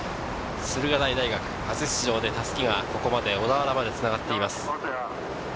駿河台大学、初出場で襷がここまで、小田原まで繋がっています。